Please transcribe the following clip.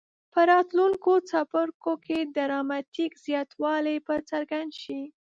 په راتلونکو څپرکو کې ډراماټیک زیاتوالی به څرګند شي.